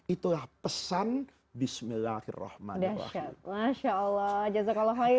itulah pesan bismillahirrahmanirrahim